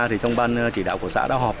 trong ban chỉ đạo của xã đã họp